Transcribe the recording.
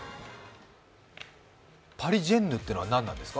パリジェンヌというのは何なんですか？